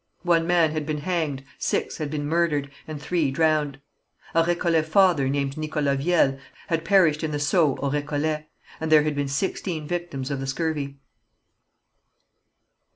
One man had been hanged, six had been murdered, and three drowned. A Récollet father, called Nicholas Viel, had perished in the Sault au Récollet; and there had been sixteen victims of the scurvy.